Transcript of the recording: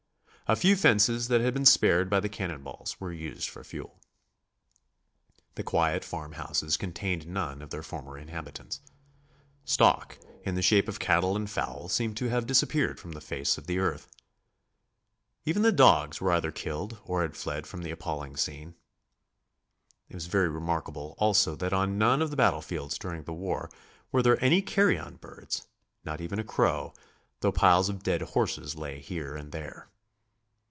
A few fences that had been spared by the cannon balls were used for fuel. The quiet farmhouses contained none of their former inhabitants. Stock in the shape of cattle and fowl seemed to have disappeared from the face of the earth. Even the dogs were either killed or had fled from the appalling scene. It was very remarkable also that on none of the battlefields during the war were there any carrion birds, not even a crow, though piles of dead horses lay here and there.